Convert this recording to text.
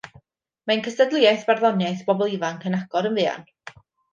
Mae ein cystadleuaeth barddoniaeth i bobl ifanc yn agor yn fuan